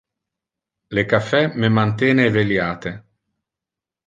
Le caffe me mantene eveliate.